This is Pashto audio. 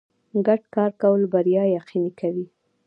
ګډ کار کول بریا یقیني کوي.